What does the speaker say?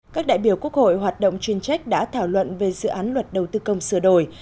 các đại biểu quốc hội hoạt động chuyên trách đã thảo luận về dự án luật đầu tư công sửa đổi